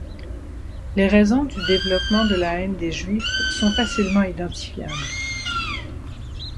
Les raisons du développement de la haine des Juifs sont facilement identifiables.